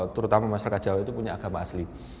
terutama masyarakat jawa itu punya agama asli